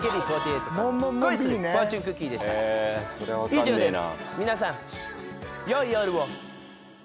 以上です。